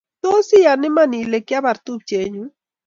Tos I yan iman ile ki abar tupchenyu